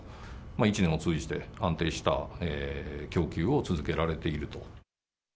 一年を通じて、安定した供給を続けられていると。